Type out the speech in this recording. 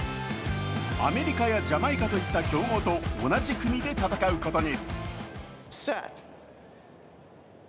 アメリカやジャマイカといった強豪と同じ組で戦うことに。